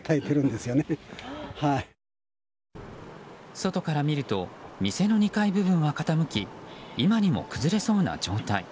外から見ると店の２階部分は傾き今にも崩れそうな状態。